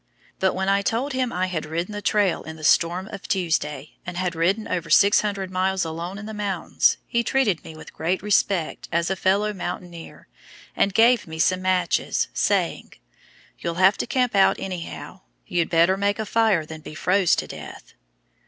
But when I told him I had ridden the trail in the storm of Tuesday, and had ridden over 600 miles alone in the mountains, he treated me with great respect as a fellow mountaineer, and gave me some matches, saying, "You'll have to camp out anyhow; you'd better make a fire than be froze to death."